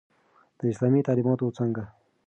د اسلامی تعليماتو څانګه